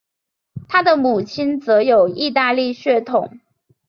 他的母亲则有意大利血统。